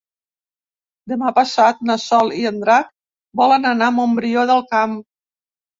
Demà passat na Sol i en Drac volen anar a Montbrió del Camp.